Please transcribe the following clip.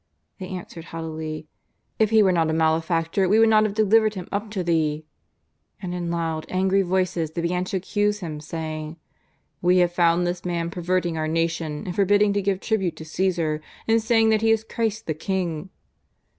They answered haughtily :" If He were not a male factor we would not have delivered Him up to thee." And in loud, angry voices they began to accuse Him, saying :" We have found this man perverting our nation, and forbidding to give tribute to Caesar, and saying that He is Christ the King."